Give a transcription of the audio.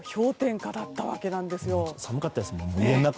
寒かったですもんね